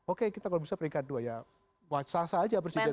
oke kita kalau bisa peringkat dua ya sah saja presiden